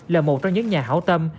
là một trong những nhà hảo tâm